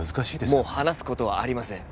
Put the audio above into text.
もう話すことはありません